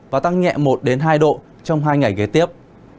và tăng nhẹ một hai độ trong hai ngày kế tiếp